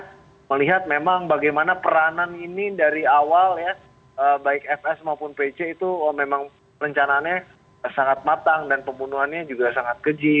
dan juga mencoba untuk melihat bagaimana peranan ini dari awal baik fs maupun pc itu memang rencananya sangat matang dan pembunuhannya juga sangat keji